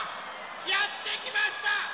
やってきました！